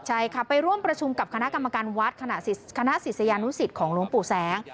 ใช่ค่ะไปร่วมประชุมกับคณะกรรมการวัดคณะศิษยานุสิตของหลวงปู่แสง